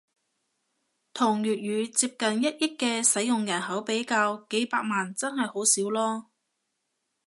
同粵語接近一億嘅使用人口比較，幾百萬真係好少囉